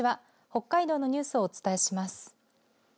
北海道のニュースをお伝えします。